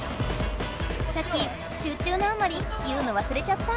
サキ集中のあまり言うのわすれちゃった！